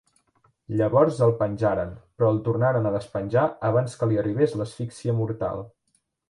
Llavors el penjaren però el tornaren a despenjar abans que li arribés l'asfíxia mortal.